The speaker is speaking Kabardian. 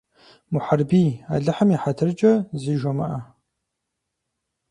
Мухьэрбий, Алыхьым и хьэтыркӀэ, зы жумыӀэ.